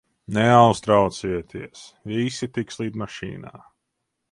Neuztraucieties, visi tiks lidmašīnā.